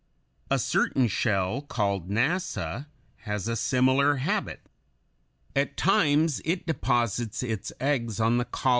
A certain shell, called Nassa, has a similar habit. At times it deposits its eggs on the collar nest of the Natica.